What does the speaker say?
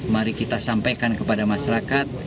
mari kita sampaikan kepada masyarakat